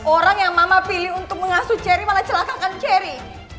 orang yang mama pilih untuk mengasuh cherry malah celaka kan cherry